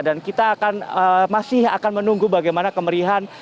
dan kita akan masih akan menunggu bagaimana kemerihan